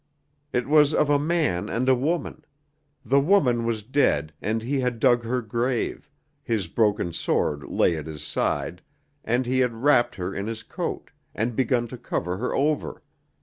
It was of a man and a woman; the woman was dead, and he had dug her grave, his broken sword lay at his side, and he had wrapped her in his coat, and begun to cover her over.